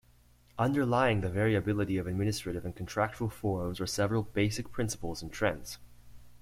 Underlying the variability of administrative and contractual forms were several basic principles and trends.